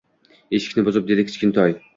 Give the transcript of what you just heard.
Eshikni buzib, dedi Kichkintoy